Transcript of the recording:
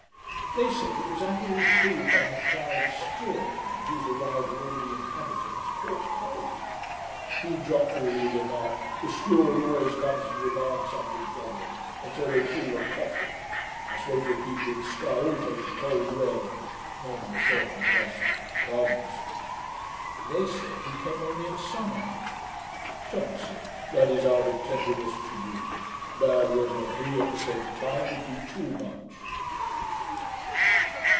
They said, it was annually proved by M'Leod's steward, on whose arrival all the inhabitants caught cold. He jocularly remarked, 'the steward always comes to demand something from them; and so they fall a coughing. I suppose the people in Sky all take a cold, when ' (naming a certain person) 'comes.' They said, he came only in summer. JOHNSON. 'That is out of tenderness to you. Bad weather and he, at the same time, would be too much.'